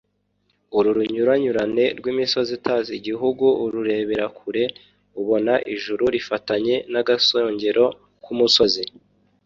uru runyuranyurane rw’imisozi itatse igihugu ururebera kure ubona ijuru rifatanye n’agasongera k’umusozi